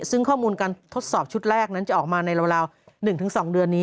ซึ่งข้อมูลการทดสอบชุดแรกนั้นจะออกมาในเวลา๑๒เดือนนี้